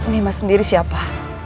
nimas sendiri siapa